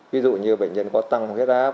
ví dụ như bệnh nhân có tăng huyết áp